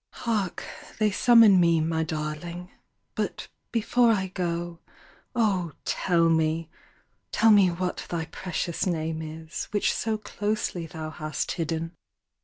"Hark, they summon me, my darling. But before I go, oh tell me, Tell me what thy precious name is, Which so closely thou hast hidden."